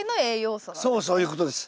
そういうことです。